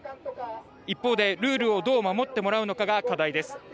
一方でルールをどう守ってもらうのかが課題です。